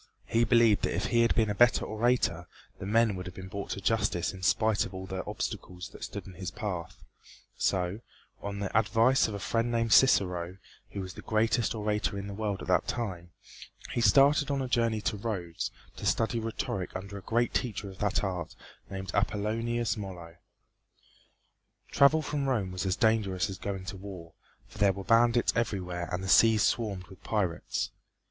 He believed that if he had been a better orator the men would have been brought to justice in spite of all the obstacles that stood in his path; so, on the advice of a friend named Cicero, who was the greatest orator in the world at that time, he started on a journey to Rhodes to study rhetoric under a great teacher of that art named Appollonius Molo. Travel from Rome was as dangerous as going to war, for there were bandits everywhere and the seas swarmed with pirates.